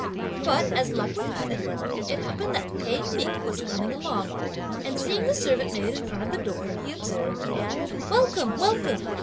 But, as luck would have it, it happened that Pei Ming was coming along, and seeing the servant maid in front of the door, he observed: "Welcome, welcome!